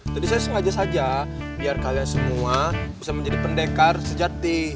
saya sengaja saja biar kalian semua bisa menjadi pendekar sejati